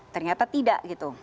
ternyata tidak gitu